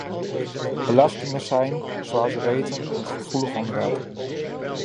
Belastingen zijn, zoals we weten, een gevoelig onderwerp.